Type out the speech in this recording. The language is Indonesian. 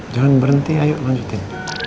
jangan berhenti ayo lanjutin